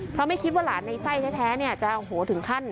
เพราะไม่คิดว่าหลานในไส้แท้